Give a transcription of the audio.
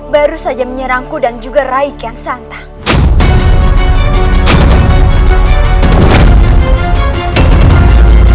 baru saja menyerangku dan juga raih kian santang